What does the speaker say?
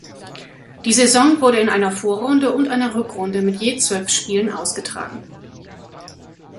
Die Saison wurde in einer Vorrunde und einer Rückrunde mit je zwölf Spielen ausgetragen.